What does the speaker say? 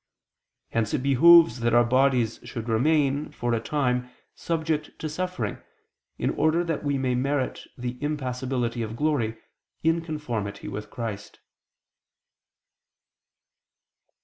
Hence it behooves that our bodies should remain, for a time, subject to suffering, in order that we may merit the impassibility of glory, in conformity with Christ.